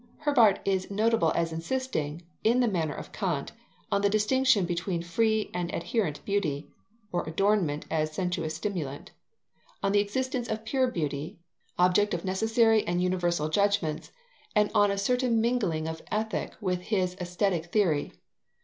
Herbart is notable as insisting, in the manner of Kant, on the distinction between free and adherent beauty (or adornment as sensuous stimulant), on the existence of pure beauty, object of necessary and universal judgments, and on a certain mingling of ethical with his aesthetic theory.